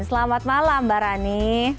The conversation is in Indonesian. selamat malam mbak rani